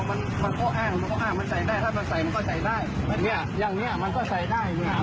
อืมมันได้ทุกอย่างมันไม่ได้ใส่อ่ะ